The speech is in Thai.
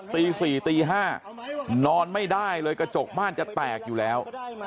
ตี๔ตี๕นอนไม่ได้เลยกระจกบ้านจะแตกอยู่แล้ว